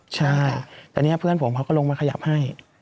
ใช่แต่เนี่ยเพื่อนผมเขาก็ลงมาขยับให้